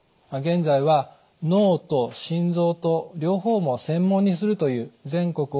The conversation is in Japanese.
現在は脳と心臓と両方を専門にするという全国